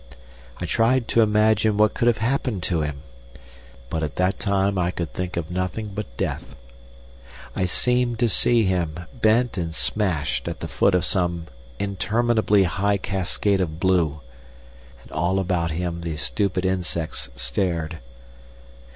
I tried to imagine what could have happened to him. But at that time I could think of nothing but death. I seemed to see him, bent and smashed at the foot of some interminably high cascade of blue. And all about him the stupid insects stared...